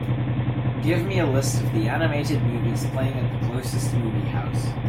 Give me the list of animated movies playing at the closest movie house